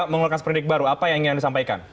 mengeluarkan seperindik baru apa yang ingin anda sampaikan